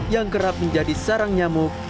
yang kerap menjadi sarang nyamuk